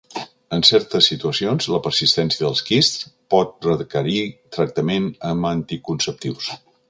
En certes situacions, la persistència dels quists pot requerir tractament amb anticonceptius.